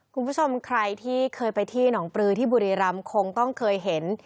คุณผู้ชมใครที่เคยไปที่หนองปลือที่บุรีรำคงต้องเคยเห็น